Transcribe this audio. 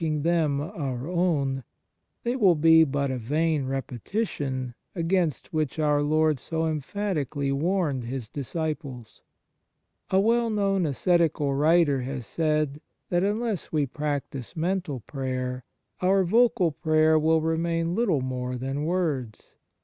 137 THE MARVELS OF DIVINE GRACE them our own, they will be but a " vain repetition," against which Our Lord so emphatically warned His disciples. A well known ascetical writer has said that unless we practise mental prayer our vocal prayer will remain little more than words.